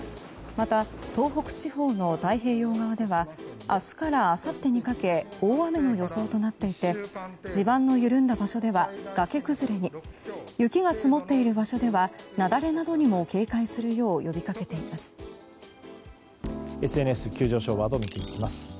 また、東北地方の太平洋側では明日からあさってにかけ大雨の予想となっていて地盤の緩んだ場所では崖崩れに雪が積もっている場所では雪崩などにも警戒するよう呼び掛けています。